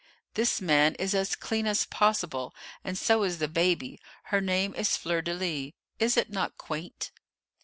"This man is as clean as possible, and so is the baby. Her name is Fleur de lis; is it not quaint?"